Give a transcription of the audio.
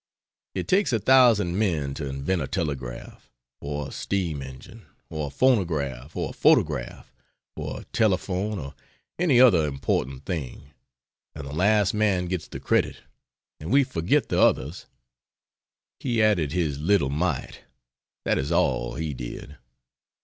It takes a thousand men to invent a telegraph, or a steam engine, or a phonograph, or a photograph, or a telephone or any other important thing and the last man gets the credit and we forget the others. He added his little mite that is all he did.